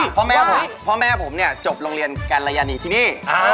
เพราะแม่ผมจบโรงเรียนการรายณีที่นี่